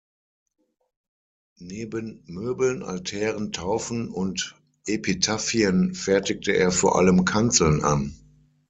Neben Möbeln, Altären, Taufen und Epitaphien fertigte er vor allem Kanzeln an.